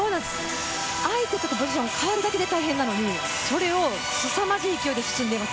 相手とのポジションを変えるだけでも大変なのに、すさまじい勢いで進んでいます。